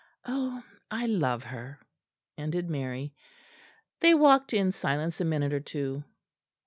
Oh! I love her!" ended Mary. They walked in silence a minute or two.